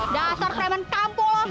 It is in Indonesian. dasar fremen kampung lo